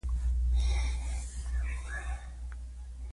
په خاورو کې پرتو بسترو ته ورغی.